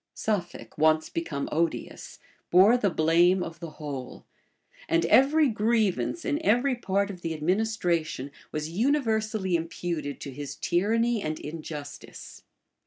Suffolk, once become odious, bore the blame of the whole; and every grievance, in every part of the administration, was universally imputed to his tyranny and injustice.